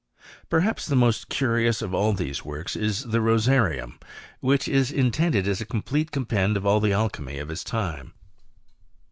i Perhaps the most curious of all these works is dA JRosarium, which is intended as a complete eompen of all the alchymy of his time.